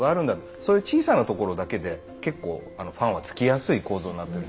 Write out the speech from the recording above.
そういう小さなところだけで結構ファンはつきやすい構造になってる。